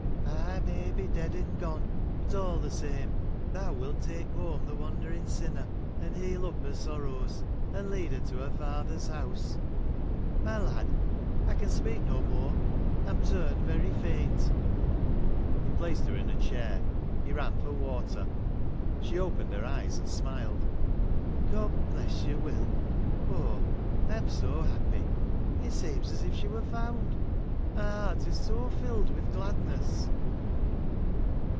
' I may be dead and gone, — but all the same, — thou wilt take home the wandering sinner, and heal up her sorrows, and lead her to her Father's house. My lad ! I can speak no more ; I 'm turned very faint.' He placed her in a chair ; he ran for water. She opened her eyes and smiled. ' God bless you, Will. Oh ! I am so happy. It seems as if she were found ; my heart is so filled with gladness.'